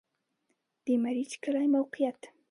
د مريچ کلی موقعیت